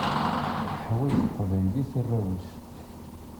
Teḥwaǧ teqbaylit arraw-is.